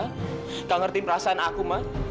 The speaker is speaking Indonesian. kamu gak ngerti perasaan aku ma